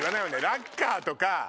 ラッカーとか。